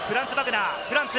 フランツ。